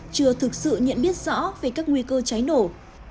chưa thực sự nhận biết rõ về các nguy cơ trái niệm